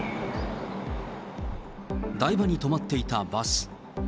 台場に止まっていたバス。